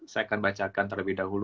saya akan bacakan terlebih dahulu